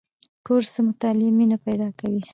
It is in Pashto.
کورس د مطالعې مینه پیدا کوي.